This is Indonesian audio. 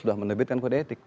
sudah menebitkan kode etik